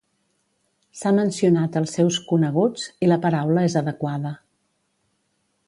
S'ha mencionat els seus "coneguts" i la paraula és adequada.